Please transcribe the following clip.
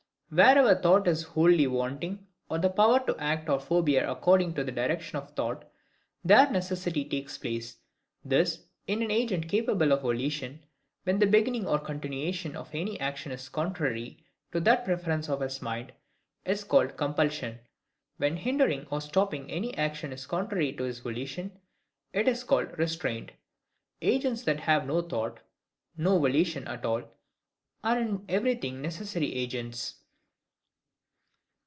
Wherever thought is wholly wanting, or the power to act or forbear according to the direction of thought, there necessity takes place. This, in an agent capable of volition, when the beginning or continuation of any action is contrary to that preference of his mind, is called compulsion; when the hindering or stopping any action is contrary to his volition, it is called restraint. Agents that have no thought, no volition at all, are in everything NECESSARY AGENTS.